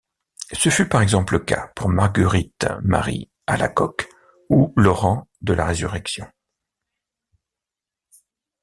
Ce fut par exemple le cas pour Marguerite-Marie Alacoque ou Laurent de la Résurrection.